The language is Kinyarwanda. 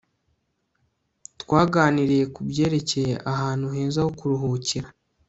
twaganiriye kubyerekeye ahantu heza ho kuruhukira